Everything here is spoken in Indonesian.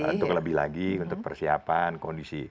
untuk lebih lagi untuk persiapan kondisi